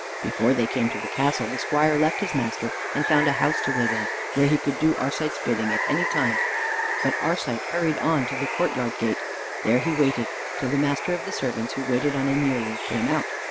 Before they came to the castle the squire left his master and found a house to live in, where he could do Arcite's bidding at any time. But Arcite hurried on to the courtyard gate. There he waited till the master of the servants who waited on Emelia came out.